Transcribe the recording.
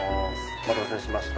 お待たせしました。